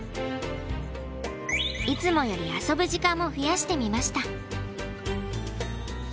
いつもより遊ぶ時間も増やしてみました。